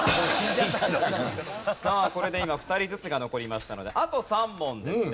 さあこれで今２人ずつが残りましたのであと３問ですね。